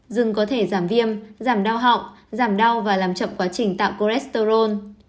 gừng có thể giảm viêm giảm đau họng giảm đau và làm chậm quá trình tạo cholesterol